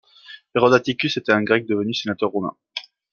Hérode Atticus était un grec devenu sénateur romain.